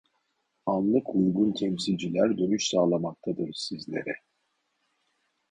Anlık uygun temsilciler dönüş sağlamaktadır sizlere